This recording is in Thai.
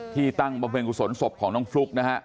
ที่ตั้งบำเวงกุศลศพของน้องฟลุ๊ก